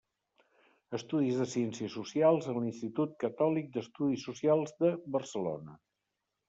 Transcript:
Estudis de Ciències Socials a l'Institut Catòlic d'Estudis Socials de Barcelona.